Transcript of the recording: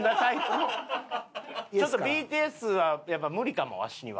ちょっとＢＴＳはやっぱ無理かもわしには。